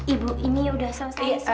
ibu ini udah selesai